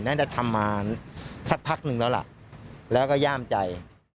น่าจะทำมาสักพักหนึ่งแล้วล่ะแล้วก็ย่ามใจ